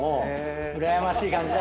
うらやましい感じだ。